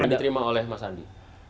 yang diterima oleh mas andi